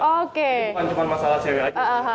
ini bukan cuma masalah cewek aja